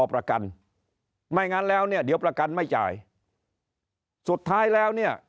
ประกันไม่งั้นแล้วเนี่ยเดี๋ยวประกันไม่จ่ายสุดท้ายแล้วเนี่ย